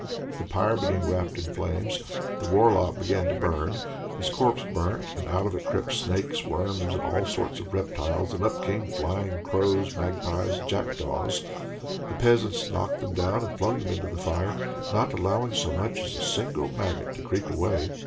The pyre became wrapped in flames, the Warlock began to burn. His corpse burst, and out of it crept snakes, worms, and all sorts of reptiles, and up came flying crows, magpies, and jackdaws. The peasants knocked them down and flung them into the fire, not allowing so much as a single maggot to creep away!